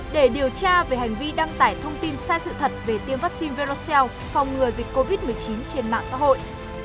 để điều tra về hành vi đăng tải thông tin sai sự thật về tiêm vaccine velcel phòng ngừa dịch covid một mươi chín trên mạng xã hội